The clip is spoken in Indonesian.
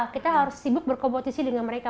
kita harus sibuk berkompetisi dengan mereka